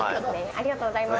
ありがとうございます。